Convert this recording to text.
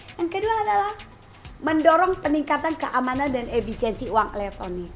yang kedua adalah mendorong peningkatan keamanan dan efisiensi uang elektronik